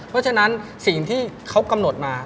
เพราะฉะนั้นสิ่งที่เขากำหนดมา